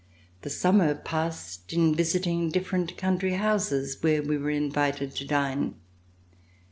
The summer passed in visiting different country houses where we were invited to dine.